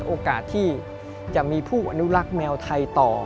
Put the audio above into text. โอกาสที่จะมีผู้อนุรักษ์แมวไทยต่อ